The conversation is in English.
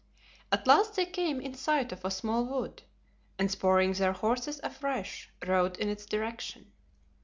At last they came in sight of a small wood, and spurring their horses afresh, rode in its direction.